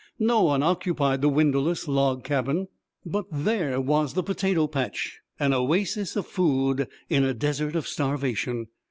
No one occupied the windowless log cabin; but there was the potato patch an oasis of food in a desert of starvation.